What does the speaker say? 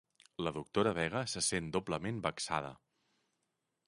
La doctora Vega se sent doblement vexada.